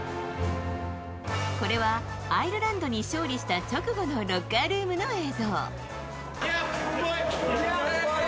これはアイルランドに勝利した直後のロッカールームの映像。